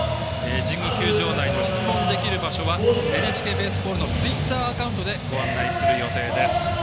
神宮球場内の質問できる場所は「ＮＨＫベースボール」のツイッターアカウントでご案内する予定です。